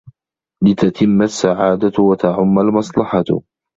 لِتَتِمَّ السَّعَادَةُ وَتَعُمَّ الْمَصْلَحَةُ